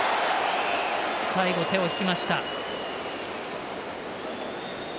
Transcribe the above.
最後、手を引きました。